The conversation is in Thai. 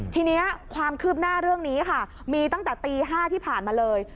ทีนี้ความคืบหน้าเรื่องนี้ค่ะมีตั้งแต่ตี๕ที่ผ่านมาเลย